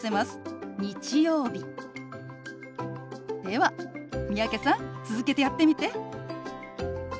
では三宅さん続けてやってみて。